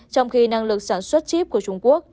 trong khi năng lực sản xuất chip của trung quốc